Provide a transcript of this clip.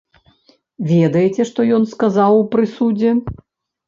Ведаеце, што ён сказаў у прысудзе?